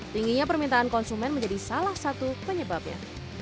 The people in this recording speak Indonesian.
tingginya permintaan konsumen menjadi salah satu penyebabnya